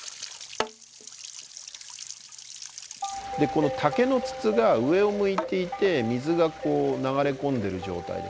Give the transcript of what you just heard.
この竹の筒が上を向いていて水が流れ込んでる状態ですね。